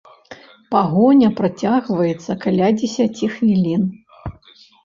Пагоня працягваецца каля дзесяці хвілін.